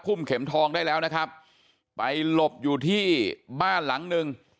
เข็มทองได้แล้วนะครับไปหลบอยู่ที่บ้านหลังหนึ่ง